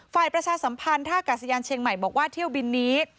ประชาสัมพันธ์ท่ากาศยานเชียงใหม่บอกว่าเที่ยวบินนี้